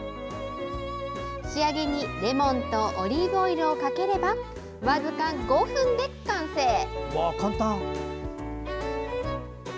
仕上げにレモンとオリーブオイルをかければわずか５分で完成。